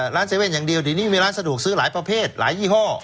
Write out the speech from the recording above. ๗๑๑อย่างเดียวเดี๋ยวนี้มีร้านสะดวกซื้อหลายประเภทหลายยี่ห้อ